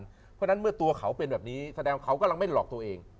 เพราะฉะนั้นเมื่อตัวเขาเป็นแบบนี้แสดงว่าเขากำลังไม่หลอกตัวเอง